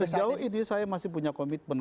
sejauh ini saya masih punya komitmen